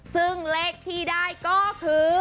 ซึ่งเลขที่ได้ก็คือ